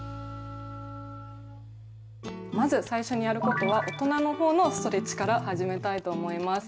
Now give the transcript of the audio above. まず最初にやることは大人の方のストレッチから始めたいと思います。